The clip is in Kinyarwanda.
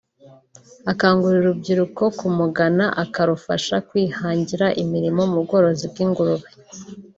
Akangurira urubyiruko kumugana akarufasha kwihangira imirimo mu bworozi bw’ingurube